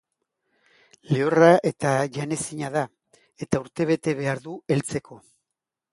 Lehorra eta janezina da, eta urtebete behar du heltzeko.